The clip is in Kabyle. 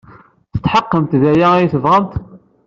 Tetḥeqqemt d aya ay tebɣamt?